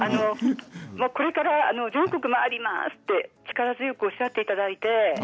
これから全国回りますと力を強くおっしゃっていただいて